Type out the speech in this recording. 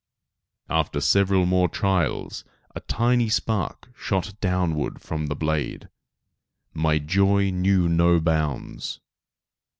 After several more trials, a tiny spark shot downward from the blade. My joy knew no bounds.